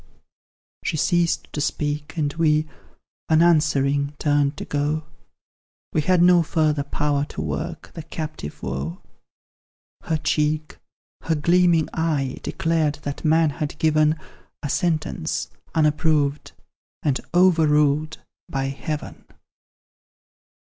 She ceased to speak, and we, unanswering, turned to go We had no further power to work the captive woe: Her cheek, her gleaming eye, declared that man had given A sentence, unapproved, and overruled by Heaven.